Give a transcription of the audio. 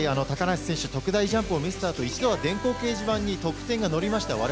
高梨選手、特大ジャンプを見せたあと、一度は電光掲示板に得点が載りました。